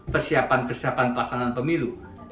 persiapan persiapan pelaksanaan pemilu